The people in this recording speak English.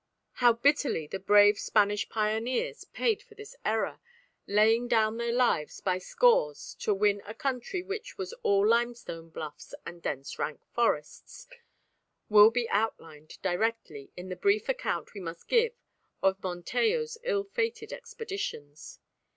How bitterly the brave Spanish pioneers paid for this error, laying down their lives by scores to win a country which was all limestone bluffs and dense rank forests, will be outlined directly in the brief account we must give of Montejo's ill fated expeditions.